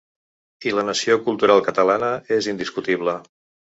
I la nació cultural catalana és indiscutible.